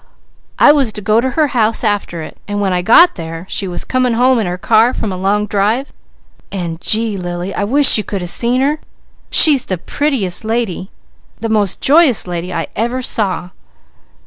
I was to go to her house after it, and when I got there she was coming home in her car from a long drive, and gee, Lily, I wish you could have seen her! She's the prettiest lady, and the most joyous lady I ever saw."